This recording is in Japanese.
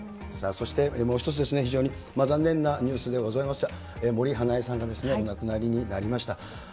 そして、もう一つですね、非常に残念なニュースでございました、森英恵さんがお亡くなりになりました。